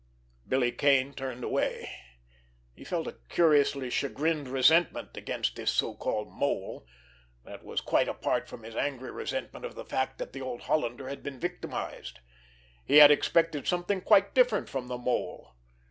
Billy Kane turned away. He felt a curiously chagrined resentment against this so called Mole, that was quite apart from his angry resentment of the fact that the old Hollander had been victimized. He had expected something quite different from the Mole!